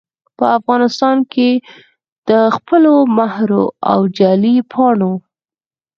په افغانستان کې دخپلو مهرو او جعلي پاڼو